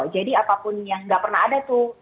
jadi apapun yang tidak pernah ada tuh